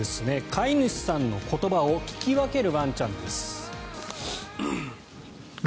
飼い主さんの言葉を聞き分けるワンちゃんです。